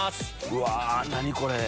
うわ何これ！